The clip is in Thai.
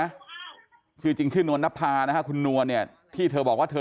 นะชื่อจริงชื่อนวลนภานะฮะคุณนวลเนี่ยที่เธอบอกว่าเธอ